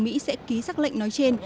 mỹ sẽ ký xác lệnh nói trên